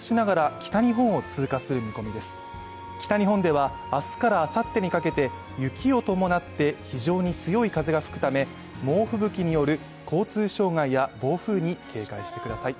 北日本では明日からあさってにかけて雪を伴って非常に強い風が吹くため猛吹雪による交通障害や暴風に警戒してください。